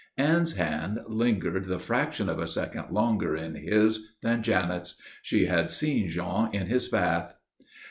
Anne's hand lingered the fraction of a second longer in his than Janet's. She had seen Jean in his bath.